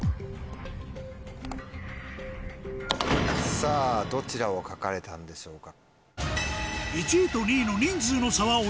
さぁどちらを書かれたんでしょうか。